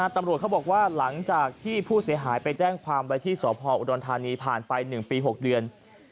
ตำรวจเขาบอกว่าหลังจากที่ผู้เสียหายไปแจ้งความไว้ที่สพอุดรธานีผ่านไป๑ปี๖เดือน